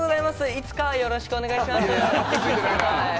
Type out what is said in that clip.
いつかよろしくお願いします。